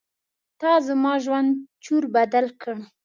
تا زما ژوند چور بدل کړ.